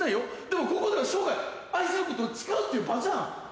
でもここでは生涯愛することを誓うっていう場じゃん！